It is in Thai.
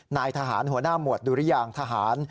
นายทหารหัวหน้าหมวดดุริยางทหาร